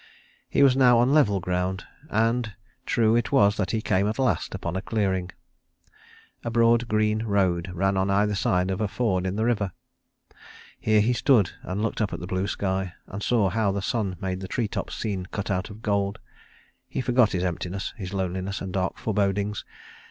He was now on level ground, and true it was that he came at last upon a clearing. A broad green road ran on either side of a ford in the river. Here he stood and looked up at the blue sky, and saw how the sun made the tree tops seem cut out of gold. He forgot his emptiness, his loneliness and dark forebodings.